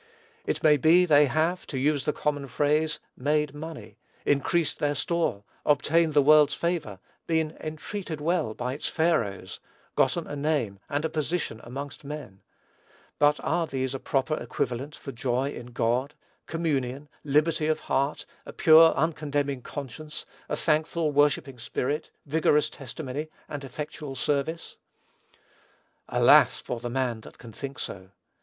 It may be they have, to use the common phrase, "made money," increased their store, obtained the world's favor, been "entreated well" by its Pharaohs, gotten a name and a position amongst men; but are these a proper equivalent for joy in God, communion, liberty of heart, a pure, uncondemning conscience, a thankful, worshipping spirit, vigorous testimony, and effectual service? Alas, for the man that can think so!